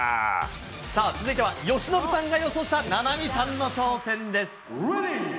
続いては、由伸さんが予想した菜波さんの挑戦です。